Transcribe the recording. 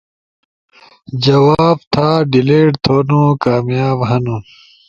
جواب تھا ڈیلیٹ تھونو کامیاب ہنو